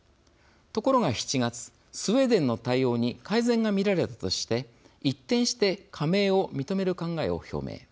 ところが、７月スウェーデンの対応に改善が見られたとして一転して加盟を認める考えを表明。